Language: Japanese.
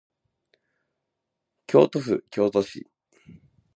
京都府京都市